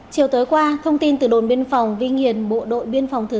chiều tới qua thông tin từ đồn biên phòng vinh hiền bộ đội biên phòng thư giãn